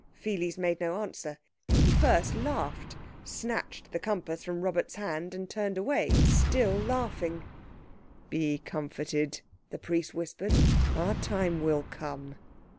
Pheles made no answer. He first laughed, snatched the compass from Robert's hand, and turned away still laughing. "Be comforted," the Priest whispered, "our time will come."